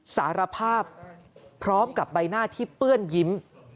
สารภาพพร้อมกับใบหน้าที่เปื้อนยิ้ม